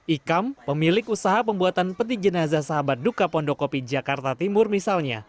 ikam pemilik usaha pembuatan peti jenazah sahabat duka pondokopi jakarta timur misalnya